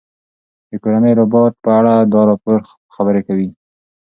د کورني روباټ په اړه دا راپور خبرې کوي.